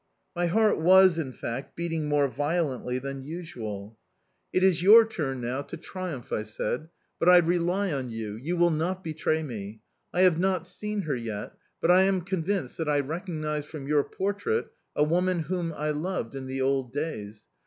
My heart was, in fact, beating more violently than usual. "It is your turn, now, to triumph," I said. "But I rely on you: you will not betray me. I have not seen her yet, but I am convinced that I recognise from your portrait a woman whom I loved in the old days...